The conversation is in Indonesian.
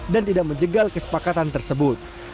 dan tidak menjegal kesepakatan tersebut